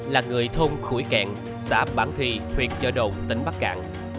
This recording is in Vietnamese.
là người thôn khủy cạn xã bản thùy huyện chợ độn tỉnh bắc cạn